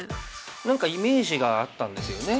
何かイメージがあったんですよね。